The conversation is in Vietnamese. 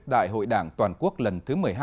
đại hội đảng toàn quốc lần thứ một mươi hai